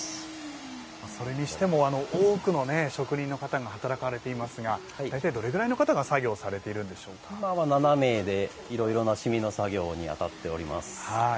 それにしても多くの職人の方が働かれていますが大体どれぐらいの方が今は７名でいろいろな染みの作業に当たっています。